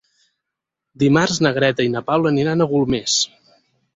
Dimarts na Greta i na Paula aniran a Golmés.